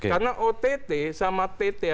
karena ott sama tt